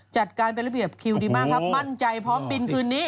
จัดการเป็นระเบียบคิวดีมากครับมั่นใจพร้อมบินคืนนี้